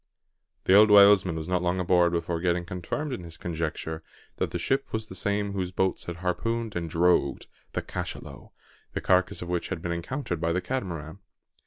The old whalesman was not long aboard before getting confirmed in his conjecture that the ship was the same whose boats had harpooned and "drogued" the cachalot, the carcass of which had been encountered by the Catamaran.